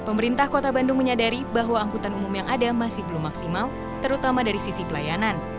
pemerintah kota bandung menyadari bahwa angkutan umum yang ada masih belum maksimal terutama dari sisi pelayanan